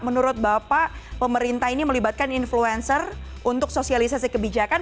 menurut bapak pemerintah ini melibatkan influencer untuk sosialisasi kebijakan